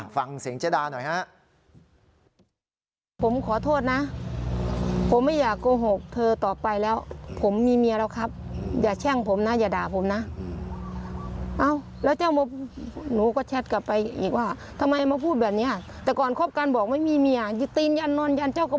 ฟังเสียงเจ๊ดาหน่อยฮะ